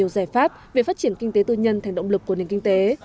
giải pháp về phát triển kinh tế tư nhân thành động lực của nền kinh tế